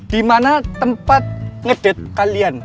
dimana tempat ngedate kalian